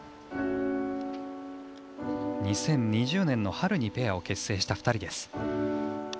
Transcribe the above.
２０２０年の春にペアを結成した２人です。